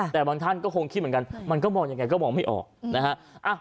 แต่บางท่านก็คงคิดเหมือนกันมันก็มองยังไงก็มองไม่ออกนะฮะ